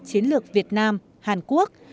chiến lược việt nam hàn quốc